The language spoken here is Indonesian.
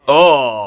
oh gak ada